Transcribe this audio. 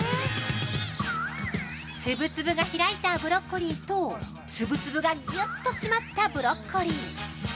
◆ツブツブが開いたブロッコリーとツブツブがギュッと締まったブロッコリー。